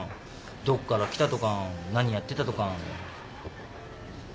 どっから来たとか何やってたとか。